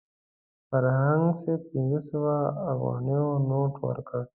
فرهنګ صاحب پنځه سوه افغانیو نوټ ورکړ.